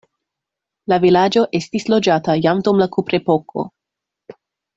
La vilaĝo estis loĝata jam dum la kuprepoko.